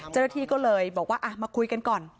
เจ้าหน้าที่ก็เลยบอกว่ามาคุยกันก่อน